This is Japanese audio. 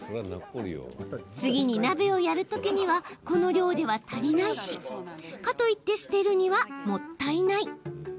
次に鍋をやるときにはこの量では足りないしかといって捨てるにはもったいない。